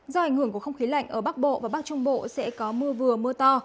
do ảnh hưởng của không khí lạnh ở bắc bộ và bắc trung bộ sẽ có mưa vừa mưa to